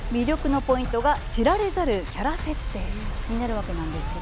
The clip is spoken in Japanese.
魅力のポイントが知られざるキャラ設定になります。